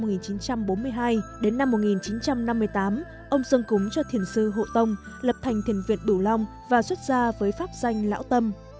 năm một nghìn chín trăm bốn mươi hai đến năm một nghìn chín trăm năm mươi tám ông sơn cúng cho thiền sư hộ tông lập thành thiền viện bửu long và xuất ra với pháp danh lão tâm